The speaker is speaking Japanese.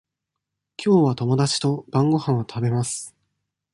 きょうは友達と晩ごはんを食べます。